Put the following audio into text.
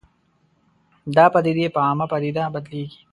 دا پدیدې په عامه پدیده بدلېږي